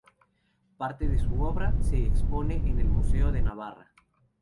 Parte de su obra se expone en el Museo de Navarra.